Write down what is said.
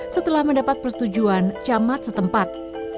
setelah mendapat persetujuan camat setempat